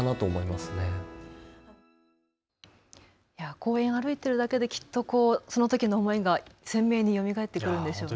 公園、歩いているだけできっと、そのときの思いが鮮明によみがえってくるんでしょうね。